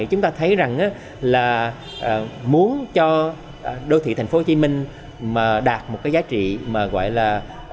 chúng ta thấy rằng là muốn cho đô thị thành phố hồ chí minh mà đạt một cái giá trị mà gọi là